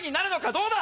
どうだ！